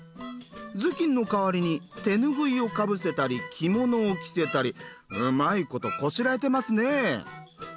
頭巾の代わりに手ぬぐいをかぶせたり着物を着せたりうまいことこしらえてますね。